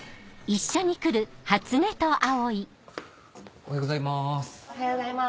おはようございます。